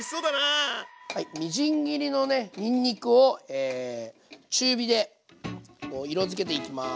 みじん切りのねにんにくを中火で色づけていきます。